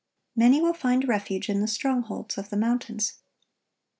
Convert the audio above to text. Many will find refuge in the strongholds of the mountains.